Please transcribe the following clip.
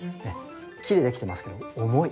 木でできてますけど重い。